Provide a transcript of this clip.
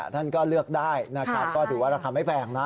ท่านก็เลือกได้ก็ถือว่าเราทำให้แพงนะ